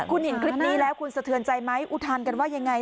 คุณเห็นคลิปนี้แล้วคุณสะเทือนใจไหมอุทานกันว่ายังไง